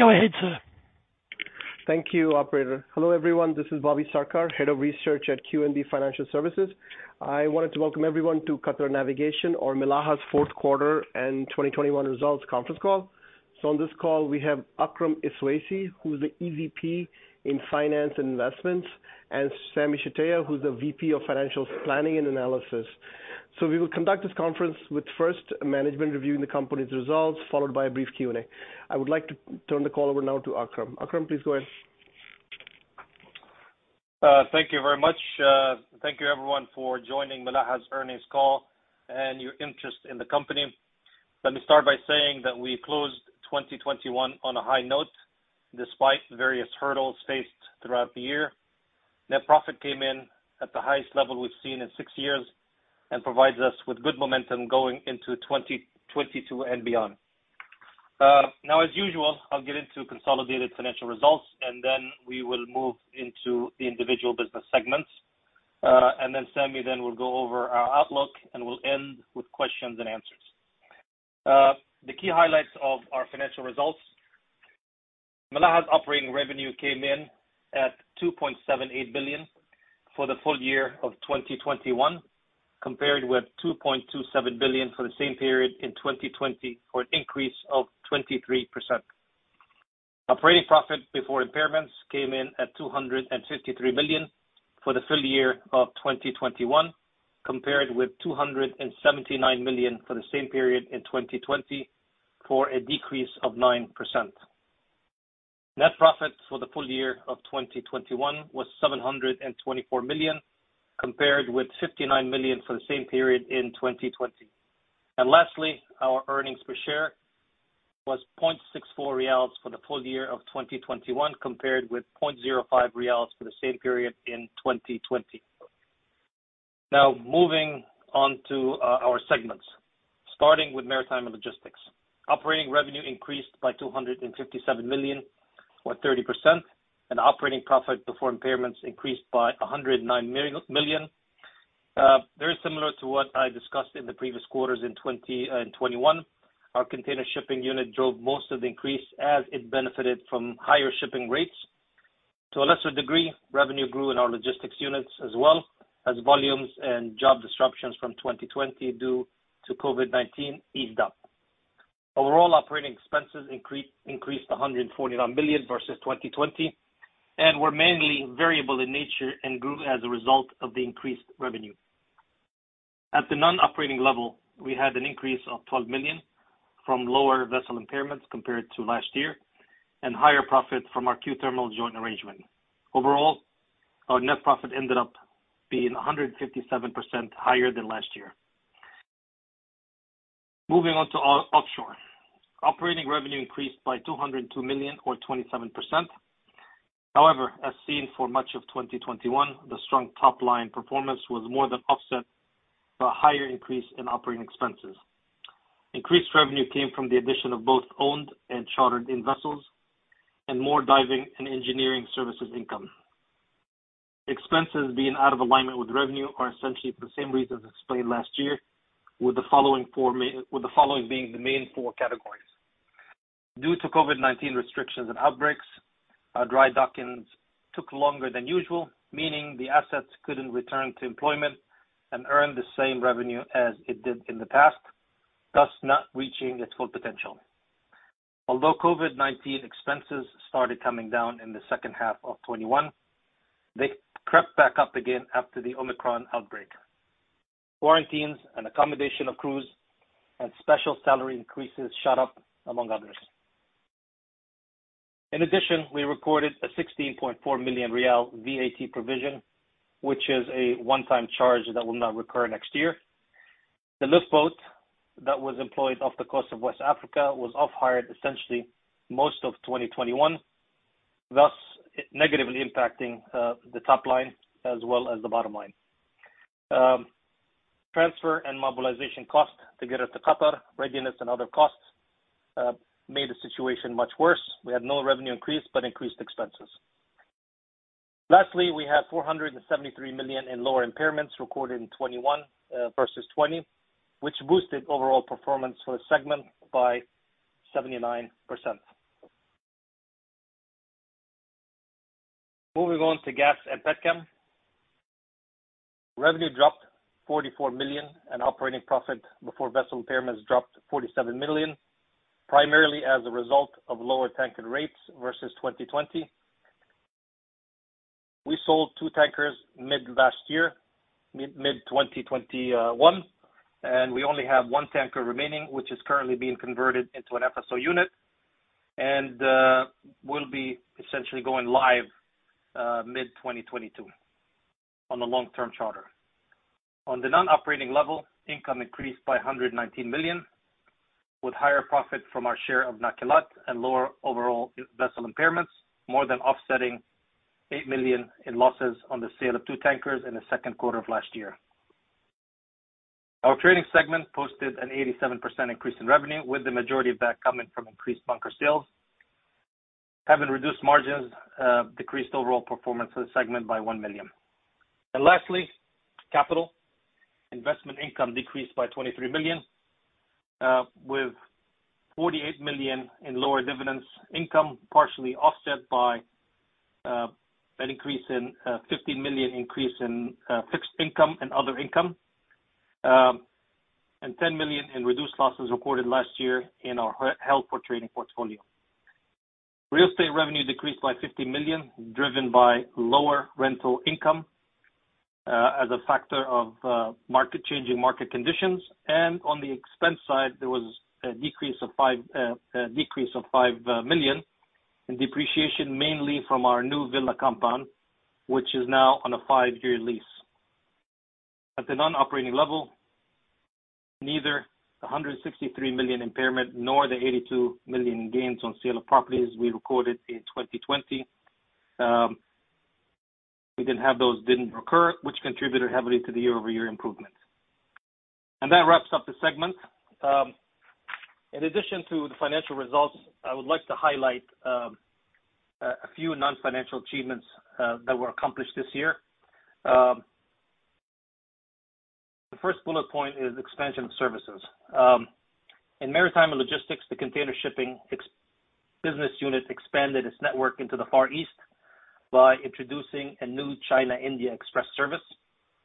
Go ahead, sir. Thank you, operator. Hello, everyone. This is Bobby Sarkar, Head of Research at QNB Financial Services. I wanted to welcome everyone to Qatar Navigation or Milaha's fourth quarter and 2021 results conference call. On this call we have Akram Iswaisi, who is the EVP in Finance and Investments, and Sami Shtayyeh, who's the VP of Financial Planning and Analysis. We will conduct this conference with first management reviewing the company's results, followed by a brief Q&A. I would like to turn the call over now to Akram. Akram, please go ahead. Thank you very much. Thank you everyone for joining Milaha's Earnings Call and your interest in the company. Let me start by saying that we closed 2021 on a high note, despite various hurdles faced throughout the year. Net profit came in at the highest level we've seen in six years and provides us with good momentum going into 2022 and beyond. Now, as usual, I'll get into consolidated financial results and then we will move into the individual business segments. Sami will go over our outlook and we'll end with questions and answers. The key highlights of our financial results. Milaha's operating revenue came in at 2.78 billion for the full year of 2021, compared with 2.27 billion for the same period in 2020, for an increase of 23%. Operating profit before impairments came in at 253 million for the full year of 2021, compared with 279 million for the same period in 2020, for a decrease of 9%. Net profit for the full year of 2021 was 724 million, compared with 59 million for the same period in 2020. Lastly, our earnings per share was 0.64 rials for the full year of 2021, compared with 0.05 rials for the same period in 2020. Now moving on to our segments, starting with maritime logistics. Operating revenue increased by 257 million or 30%, and operating profit before impairments increased by 109 million. Very similar to what I discussed in the previous quarters in 2021, our container shipping unit drove most of the increase as it benefited from higher shipping rates. To a lesser degree, revenue grew in our logistics units as well as volumes and job disruptions from 2020 due to COVID-19 eased up. Overall operating expenses increased 149 million versus 2020 and were mainly variable in nature and grew as a result of the increased revenue. At the non-operating level, we had an increase of 12 million from lower vessel impairments compared to last year, and higher profit from our QTerminals joint arrangement. Overall, our net profit ended up being 157% higher than last year. Moving on to offshore. Operating revenue increased by 202 million or 27%. However, as seen for much of 2021, the strong top line performance was more than offset by a higher increase in operating expenses. Increased revenue came from the addition of both owned and chartered-in vessels and more diving and engineering services income. Expenses being out of alignment with revenue are essentially for the same reasons explained last year with the following being the main four categories. Due to COVID-19 restrictions and outbreaks, our dry dockings took longer than usual, meaning the assets couldn't return to employment and earn the same revenue as it did in the past, thus not reaching its full potential. Although COVID-19 expenses started coming down in the second half of 2021, they crept back up again after the Omicron outbreak. Quarantines and accommodation of crews and special salary increases shot up, among others. In addition, we reported a 16.4 million Rial VAT provision, which is a one-time charge that will not recur next year. The lift boat that was employed off the coast of West Africa was off-hired essentially most of 2021, thus negatively impacting the top line as well as the bottom line. Transfer and mobilization costs to get her to Qatar, readiness and other costs made the situation much worse. We had no revenue increase but increased expenses. Lastly, we have 473 million in lower impairments recorded in 2021 versus 2020, which boosted overall performance for the segment by 79%. Moving on to Gas & Petrochem. Revenue dropped 44 million and operating profit before vessel impairments dropped 47 million, primarily as a result of lower tanker rates versus 2020. We sold two tankers mid last year, mid-2021, and we only have one tanker remaining, which is currently being converted into an FSO unit and will be essentially going live mid-2022 on a long-term charter. On the non-operating level, income increased by 119 million, with higher profit from our share of Nakilat and lower overall vessel impairments, more than offsetting 8 million in losses on the sale of two tankers in the second quarter of last year. Our trading segment posted an 87% increase in revenue, with the majority of that coming from increased bunker sales. However, reduced margins decreased overall performance of the segment by 1 million. Lastly, capital investment income decreased by 23 million with 48 million in lower dividends income, partially offset by an increase in 15 million in fixed income and other income and 10 million in reduced losses recorded last year in our held-for-trading portfolio. Real estate revenue decreased by 50 million, driven by lower rental income as a factor of changing market conditions. On the expense side, there was a decrease of 5 million in depreciation, mainly from our new Villaggio Compound, which is now on a five-year lease. At the non-operating level, neither the 163 million impairment nor the 82 million gains on sale of properties we recorded in 2020. We didn't have those. They didn't recur, which contributed heavily to the year-over-year improvement. That wraps up the segment. In addition to the financial results, I would like to highlight a few non-financial achievements that were accomplished this year. The first bullet point is expansion of services. In Maritime and Logistics, the container shipping business unit expanded its network into the Far East by introducing a new China-India Express service,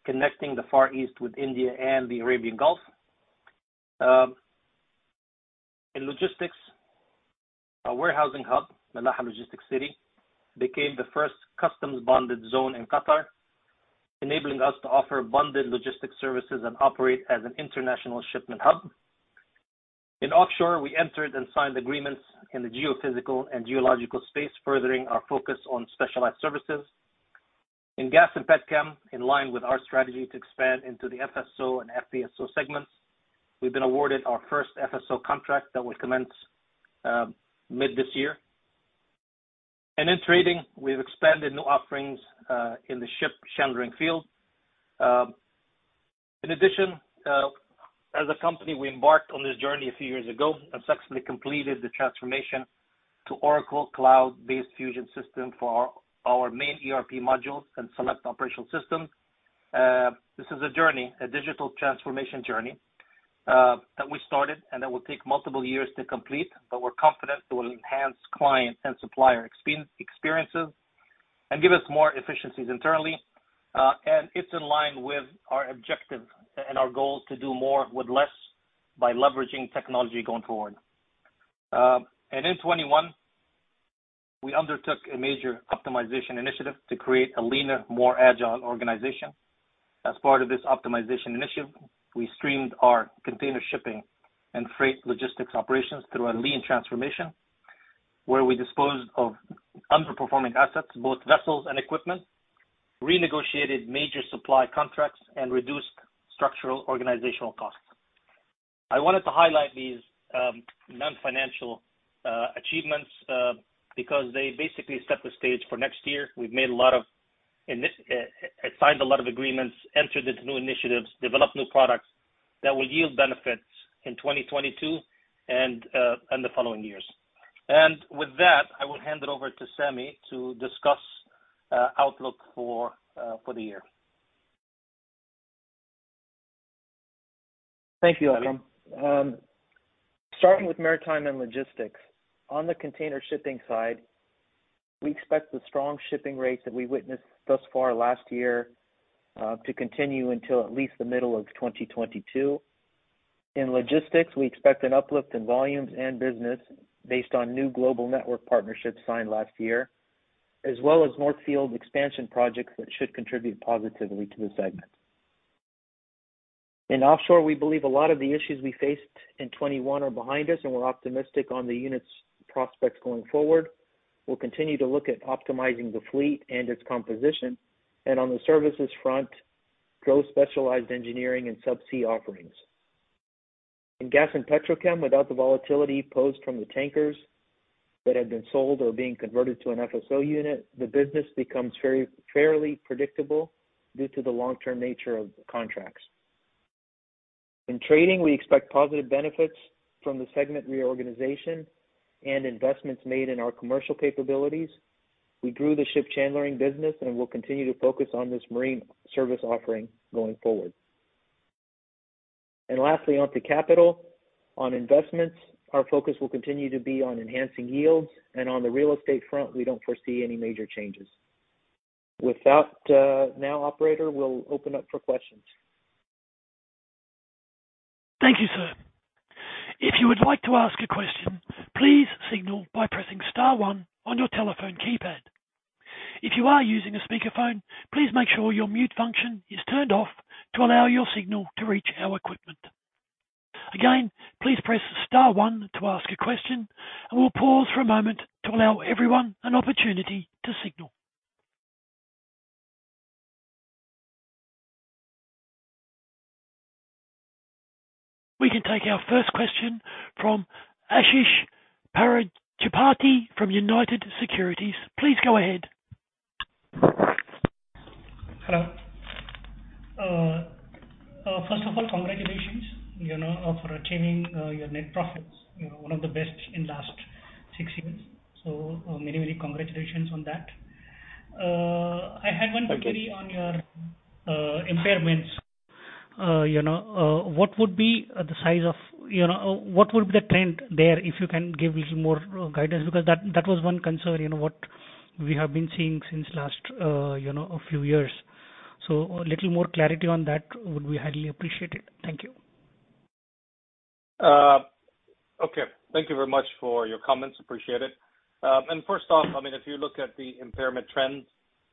connecting the Far East with India and the Arabian Gulf. In logistics, our warehousing hub, Milaha Logistics City, became the first customs bonded zone in Qatar, enabling us to offer bonded logistics services and operate as an international shipment hub. In Offshore, we entered and signed agreements in the geophysical and geological space, furthering our focus on specialized services. In Gas and Petrochem, in line with our strategy to expand into the FSO and FPSO segments, we've been awarded our first FSO contract that will commence mid this year. In trading, we've expanded new offerings in the ship chandlering field. In addition, as a company, we embarked on this journey a few years ago and successfully completed the transformation to Oracle Fusion Cloud ERP for our main ERP modules and select operational systems. This is a journey, a digital transformation journey, that we started and that will take multiple years to complete, but we're confident it will enhance client and supplier experiences and give us more efficiencies internally. It's in line with our objective and our goal to do more with less by leveraging technology going forward. In 2021, we undertook a major optimization initiative to create a leaner, more agile organization. As part of this optimization initiative, we streamlined our container shipping and freight logistics operations through a lean transformation, where we disposed of underperforming assets, both vessels and equipment, renegotiated major supply contracts, and reduced structural organizational costs. I wanted to highlight these non-financial achievements because they basically set the stage for next year. We've signed a lot of agreements, entered into new initiatives, developed new products that will yield benefits in 2022 and the following years. With that, I will hand it over to Sami to discuss outlook for the year. Thank you, Akram. Starting with maritime and logistics. On the container shipping side, we expect the strong shipping rates that we witnessed thus far last year to continue until at least the middle of 2022. In logistics, we expect an uplift in volumes and business based on new global network partnerships signed last year, as well as North Field expansion projects that should contribute positively to the segment. In offshore, we believe a lot of the issues we faced in 2021 are behind us, and we're optimistic on the unit's prospects going forward. We'll continue to look at optimizing the fleet and its composition. On the services front, grow specialized engineering and subsea offerings. In Gas & Petrochem, without the volatility posed from the tankers that have been sold or being converted to an FSO unit, the business becomes very fairly predictable due to the long-term nature of contracts. In Trading, we expect positive benefits from the segment reorganization and investments made in our commercial capabilities. We grew the ship chandlering business, and we'll continue to focus on this marine service offering going forward. Lastly, on to Capital. On investments, our focus will continue to be on enhancing yields. On the real estate front, we don't foresee any major changes. With that, now, operator, we'll open up for questions. Thank you, sir. If you would like to ask a question, please signal by pressing star one on your telephone keypad. If you are using a speakerphone, please make sure your mute function is turned off to allow your signal to reach our equipment. Again, please press star one to ask a question, and we'll pause for a moment to allow everyone an opportunity to signal. We can take our first question from Ashish Prajapati from United Securities. Please go ahead. Hello. First of all, congratulations. You know, for achieving your net profits, you know, one of the best in last six years. Many congratulations on that. I had one query- Thank you. On your impairments. You know, what would be the size of, you know, what would be the trend there, if you can give little more guidance? Because that was one concern, you know, what we have been seeing since last, you know, few years. A little more clarity on that would be highly appreciated. Thank you. Okay. Thank you very much for your comments. Appreciate it. First off, I mean, if you look at the impairment trends,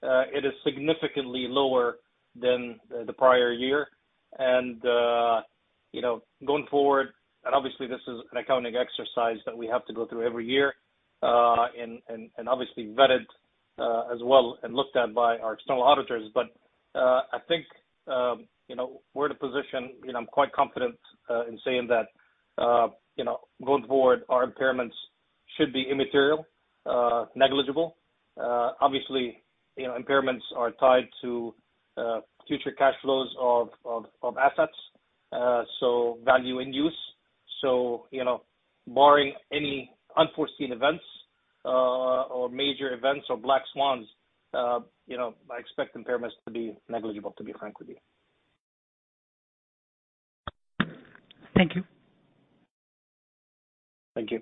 it is significantly lower than the prior year. Going forward, obviously this is an accounting exercise that we have to go through every year, and obviously vetted as well and looked at by our external auditors. I think, you know, we're in a position, you know, I'm quite confident in saying that, you know, going forward, our impairments should be immaterial, negligible. Obviously, you know, impairments are tied to future cash flows of assets, so value in use. You know, barring any unforeseen events, or major events or black swans, you know, I expect impairments to be negligible, to be frank with you. Thank you. Thank you.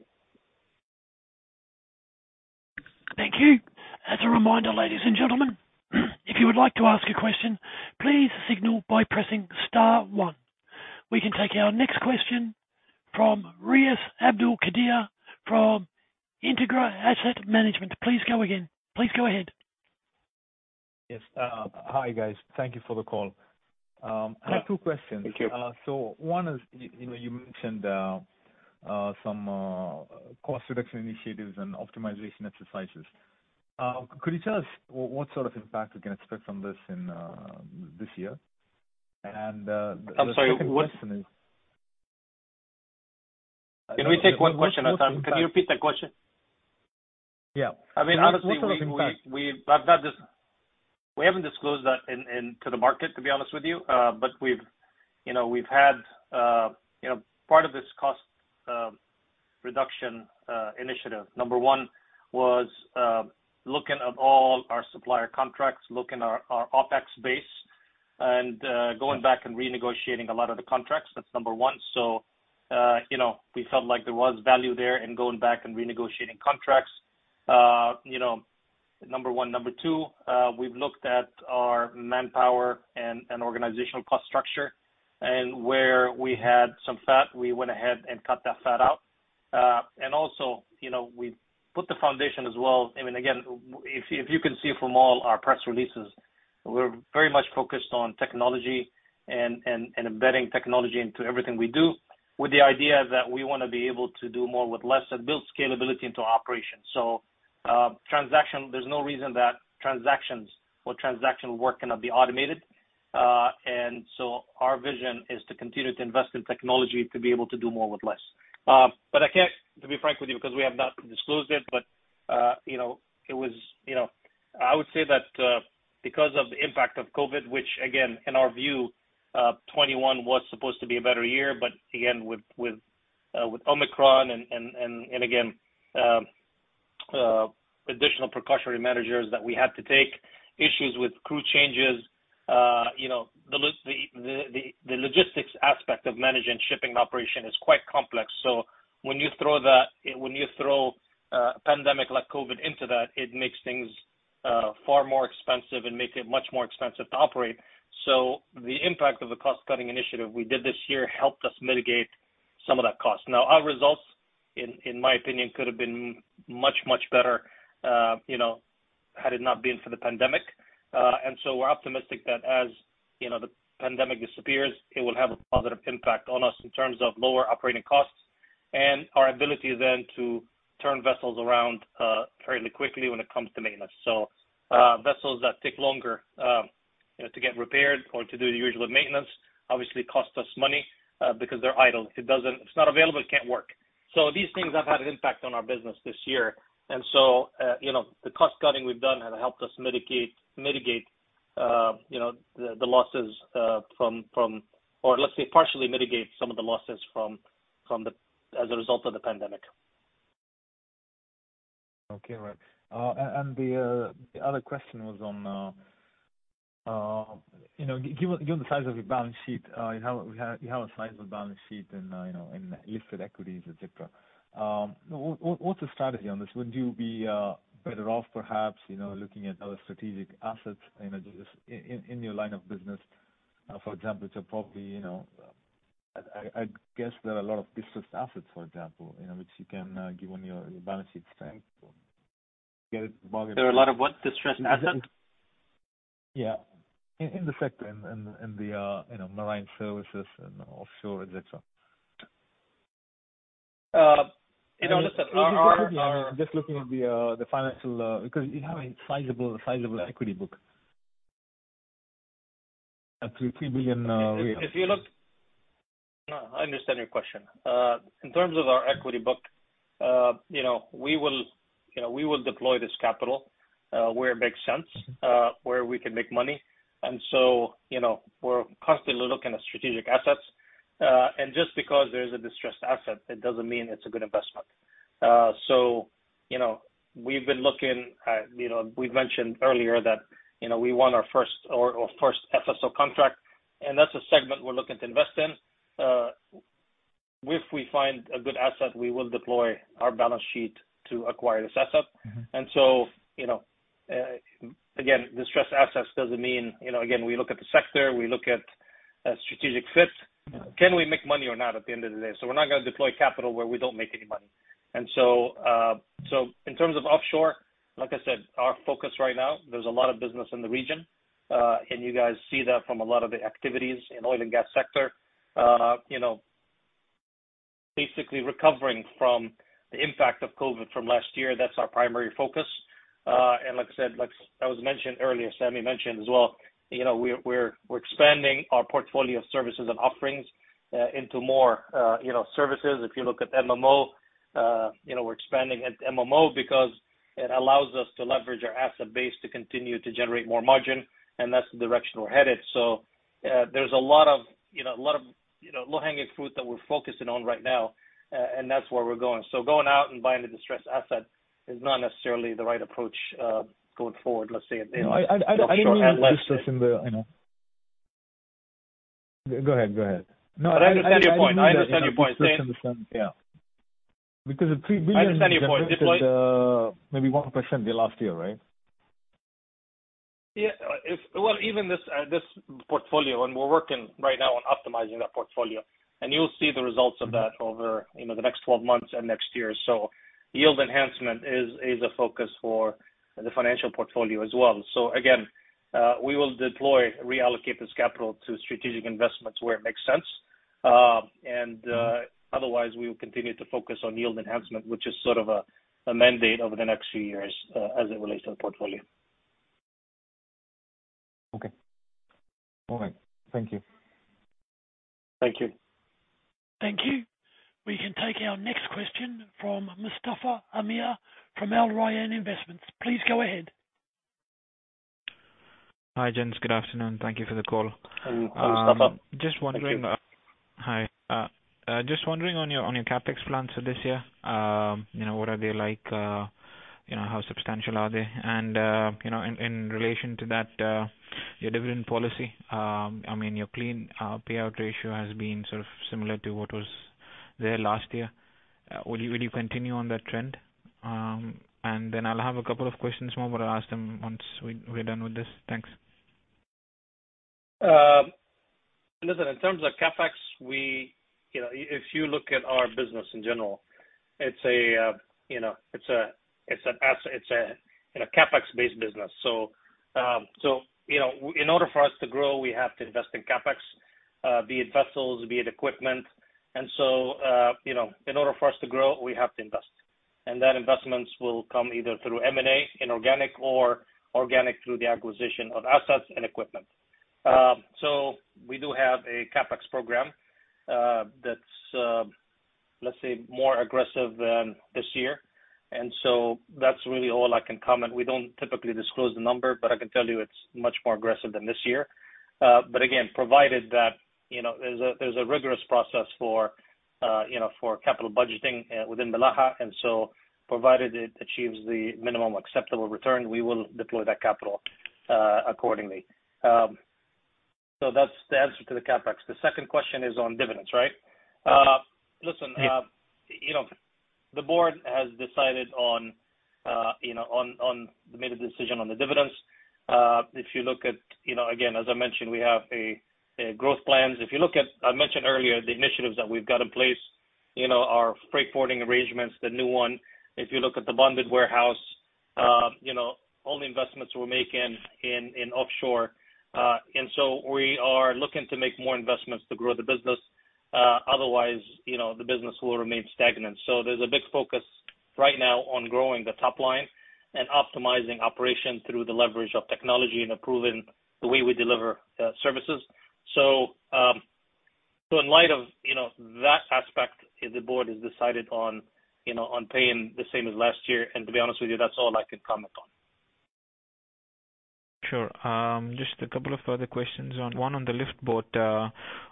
Thank you. As a reminder, ladies and gentlemen, if you would like to ask a question, please signal by pressing star one. We can take our next question from Riyas Abdul Kader from Integra Asset Management. Please go again. Please go ahead. Yes. Hi, guys. Thank you for the call. I have two questions. One is, you know, you mentioned some cost reduction initiatives and optimization exercises. Could you tell us what sort of impact we can expect from this in this year? I'm sorry, what? The second question is. Can we take one question at a time? Can you repeat that question? Yeah. I mean, honestly. What sort of impact? We haven't disclosed that into the market, to be honest with you. But we've had, you know, part of this cost reduction initiative. Number one was looking at all our supplier contracts, looking at our OpEx base, and going back and renegotiating a lot of the contracts. That's number one. We felt like there was value there in going back and renegotiating contracts. Number one. Number two, we've looked at our manpower and organizational cost structure. Where we had some fat, we went ahead and cut that fat out, and also, you know, we put the foundation as well. I mean, again, if you can see from all our press releases, we're very much focused on technology and embedding technology into everything we do with the idea that we wanna be able to do more with less and build scalability into operations. There's no reason that transactions or transactional work cannot be automated. Our vision is to continue to invest in technology to be able to do more with less. I can't, to be frank with you, because we have not disclosed it. You know, it was, you know. I would say that, because of the impact of COVID, which again, in our view, 2021 was supposed to be a better year, but again, with Omicron and again, additional precautionary measures that we had to take, issues with crew changes, you know, the logistics aspect of managing shipping operation is quite complex. So when you throw that, a pandemic like COVID into that, it makes things far more expensive and makes it much more expensive to operate. So the impact of the cost-cutting initiative we did this year helped us mitigate some of that cost. Now, our results in my opinion could have been much better, you know, had it not been for the pandemic. We're optimistic that as, you know, the pandemic disappears, it will have a positive impact on us in terms of lower operating costs and our ability then to turn vessels around fairly quickly when it comes to maintenance. Vessels that take longer, you know, to get repaired or to do the usual maintenance obviously cost us money because they're idle. If it's not available, it can't work. These things have had an impact on our business this year. The cost-cutting we've done has helped us mitigate, you know, the losses from. Or let's say partially mitigate some of the losses from the, as a result of the pandemic. Okay. Right. The other question was on, you know, given the size of your balance sheet, you have a sizable balance sheet and, you know, and listed equities, et cetera. What's the strategy on this? Wouldn't you be better off perhaps, you know, looking at other strategic assets, you know, just in your line of business, for example to probably, you know? I'd guess there are a lot of distressed assets, for example, you know, which you can, given your balance sheet strength, get it bargain? There are a lot of what? Distressed assets? Yeah. In the sector, you know, marine services and offshore, et cetera. You know, listen. Our I'm just looking at the financial. Because you have a sizable equity book. 3 billion. No, I understand your question. In terms of our equity book, you know, we will deploy this capital where it makes sense, where we can make money. You know, we're constantly looking at strategic assets. Just because there's a distressed asset, it doesn't mean it's a good investment. You know, we've been looking at, we've mentioned earlier that we won our first FSO contract, and that's a segment we're looking to invest in. If we find a good asset, we will deploy our balance sheet to acquire this asset. You know, again, distressed assets doesn't mean, again, we look at the sector, we look at strategic fit. Can we make money or not at the end of the day? We're not gonna deploy capital where we don't make any money. In terms of offshore, like I said, our focus right now, there's a lot of business in the region. And you guys see that from a lot of the activities in oil and gas sector, you know, basically recovering from the impact of COVID from last year. That's our primary focus. And like I said, like that was mentioned earlier, Sami mentioned as well, you know, we're expanding our portfolio of services and offerings into more, you know, services. If you look at MMO, you know, we're expanding at MMO because it allows us to leverage our asset base to continue to generate more margin, and that's the direction we're headed. There's a lot of low-hanging fruit that we're focusing on right now. That's where we're going. Going out and buying a distressed asset is not necessarily the right approach going forward. No, I don't mean distressed in the. Go ahead. No, I do know. I understand your point. I just don't understand- Yeah. Because the 3 billion- I understand your point. Deploy- maybe 1% the last year, right? Yeah. Well, even this portfolio, and we're working right now on optimizing that portfolio, and you'll see the results of that over the next 12 months and next year. Yield enhancement is a focus for the financial portfolio as well. Again, we will deploy, reallocate this capital to strategic investments where it makes sense. Otherwise we will continue to focus on yield enhancement, which is sort of a mandate over the next few years, as it relates to the portfolio. Okay. All right. Thank you. Thank you. Thank you. We can take our next question from Mustafa Amir from Al Rayan Investment. Please go ahead. Hi, gents. Good afternoon. Thank you for the call. Hello, Mustafa. Just wondering. Hi. Just wondering on your CapEx plans for this year, you know, what are they like? You know, how substantial are they? You know, in relation to that, your dividend policy, I mean, your clean payout ratio has been sort of similar to what was there last year. Will you continue on that trend? I'll have a couple of questions more, but I'll ask them once we're done with this. Thanks. Listen, in terms of CapEx, we, you know, if you look at our business in general, it's a CapEx-based business. In order for us to grow, we have to invest in CapEx, be it vessels, be it equipment. Those investments will come either through M&A, inorganic or organic, through the acquisition of assets and equipment. We do have a CapEx program that's, let's say, more aggressive than this year. That's really all I can comment. We don't typically disclose the number, but I can tell you it's much more aggressive than this year. Again, provided that, you know, there's a rigorous process for, you know, for capital budgeting within Milaha, provided it achieves the minimum acceptable return, we will deploy that capital accordingly. That's the answer to the CapEx. The second question is on dividends, right? Yes. Listen, you know, the board has made a decision on the dividends. If you look at, you know, again, as I mentioned, we have growth plans. I mentioned earlier the initiatives that we've got in place, you know, our freight forwarding arrangements, the new one. If you look at the bonded warehouse, you know, all the investments we're making in offshore. We are looking to make more investments to grow the business. Otherwise, you know, the business will remain stagnant. There's a big focus right now on growing the top line and optimizing operations through the leverage of technology and improving the way we deliver services. In light of, you know, that aspect, the board has decided on, you know, paying the same as last year. To be honest with you, that's all I could comment on. Sure. Just a couple of further questions. One on the lift boat.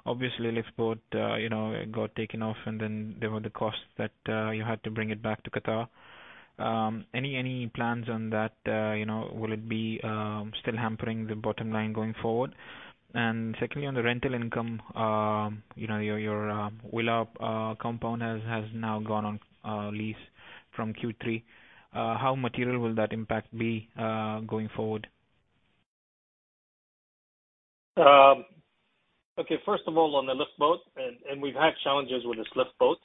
Obviously lift boat, you know, it got taken off, and then there were the costs that you had to bring it back to Qatar. Any plans on that? You know, will it be still hampering the bottom line going forward? Secondly, on the rental income, you know, your Villaggio compound has now gone on lease from Q3. How material will that impact be going forward? Okay, first of all, on the lift boat, we've had challenges with this lift boat,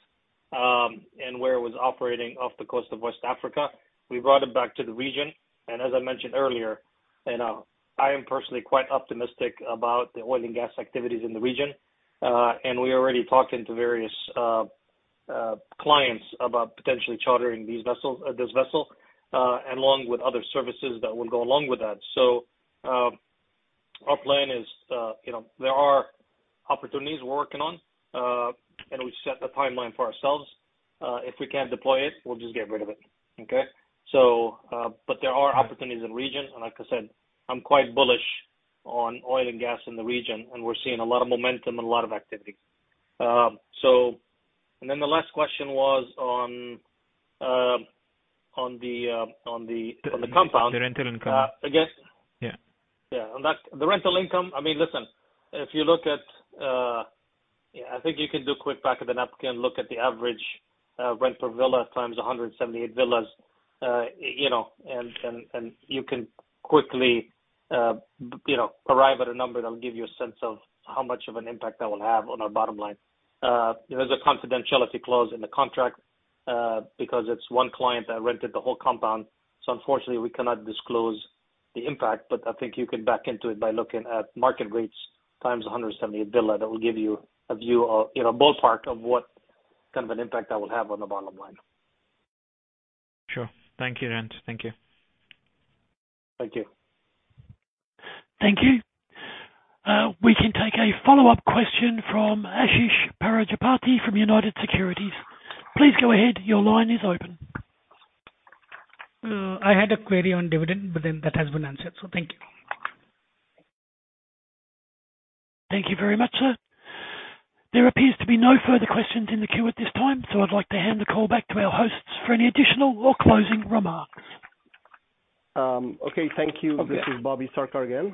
and where it was operating off the coast of West Africa. We brought it back to the region. As I mentioned earlier, you know, I am personally quite optimistic about the oil and gas activities in the region. We're already talking to various clients about potentially chartering this vessel along with other services that will go along with that. Our plan is, you know, there are opportunities we're working on, and we set the timeline for ourselves. If we can't deploy it, we'll just get rid of it. Okay? There are opportunities in region, and like I said, I'm quite bullish on oil and gas in the region, and we're seeing a lot of momentum and a lot of activity. Then the last question was on the compound. The rental income. Again? Yeah. Yeah. On that. The rental income, I mean, listen, if you look at, yeah, I think you can do quick back of the napkin, look at the average rent per villa times 178 villas. You know, and you can quickly, you know, arrive at a number that'll give you a sense of how much of an impact that will have on our bottom line. There's a confidentiality clause in the contract, because it's one client that rented the whole compound. Unfortunately, we cannot disclose the impact. I think you can back into it by looking at market rates times 178 Villaggio. That will give you a view of, you know, ballpark of what kind of an impact that will have on the bottom line. Sure. Thank you, Akram. Thank you. Thank you. Thank you. We can take a follow-up question from Ashish Prajapati from United Securities. Please go ahead. Your line is open. I had a query on dividend, but then that has been answered. Thank you. Thank you very much, sir. There appears to be no further questions in the queue at this time. I'd like to hand the call back to our hosts for any additional or closing remarks. Okay. Thank you. This is Bobby Sarkar again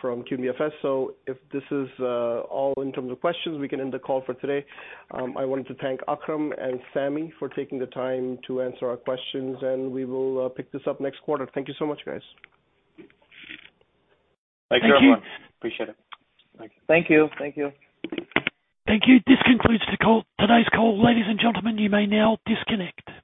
from QNBFS. If this is all in terms of questions, we can end the call for today. I wanted to thank Akram and Sami for taking the time to answer our questions, and we will pick this up next quarter. Thank you so much, guys. Thank you, everyone. Thank you. Appreciate it. Thank you. Thank you. Thank you. This concludes the call, today's call. Ladies and gentlemen, you may now disconnect.